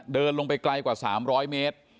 เดินลงไปไกลกว่า๓๐๐เมตร